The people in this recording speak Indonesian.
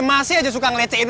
masih aja suka ngelicikin